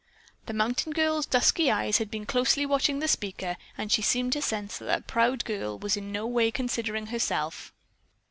The mountain girl's dusky eyes had been closely watching the speaker and she seemed to sense that the proud girl was in no way considering herself.